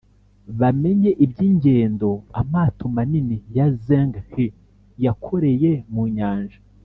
bamenye iby ingendo amato manini ya Zheng He yakoreye mu nyanja